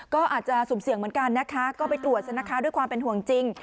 ก็อาจจะสุ่มเสี่ยงเหมือนกันนะคะก็ไปตรวจซะนะคะด้วยความเป็นห่วงจริง